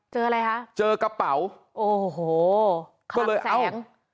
เจออะไรคะเจอกระเป๋าโอ้โหก็เลยแสง